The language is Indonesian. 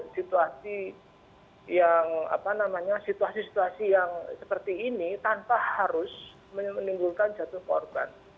situasi yang apa namanya situasi situasi yang seperti ini tanpa harus menimbulkan jatuh korban